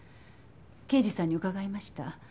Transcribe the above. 刑事さんに伺いました。